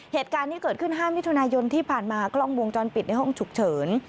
เหตุการณ์ที่เกิดขึ้น๕มิถุนายนที่ผ่านมากล้องวงจรปิดในห้องฉุกเฉิน